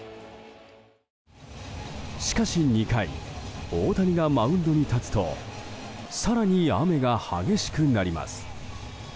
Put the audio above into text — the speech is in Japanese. しかし、２回大谷がマウンドに立つと更に雨が激しくなります。